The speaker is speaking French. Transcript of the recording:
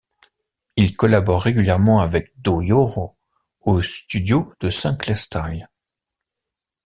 Il collabore régulièrement avec De Jorio au studio de SinclaireStyle.